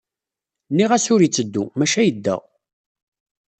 Nniɣ-as ur itteddu, maca yedda.